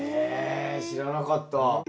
知らなかった。